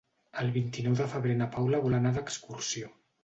El vint-i-nou de febrer na Paula vol anar d'excursió.